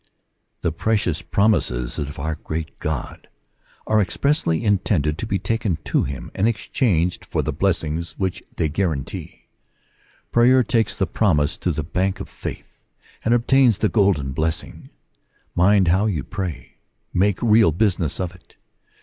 The precious promises of our great God are ex pressly intended to be taken to him, and exchanged for the blessings which they guarantee. Prayer takes the promise to the Bank of Faith, and obtains the golden blessing. Mind how you pray. Make real business of it.